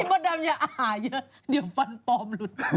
พี่บ๊อตดำอย่าอ่าเยอะเดี๋ยวฟันปลอมหลุด